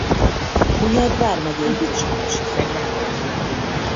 Hunyad vármegyei kisnemesi falu volt.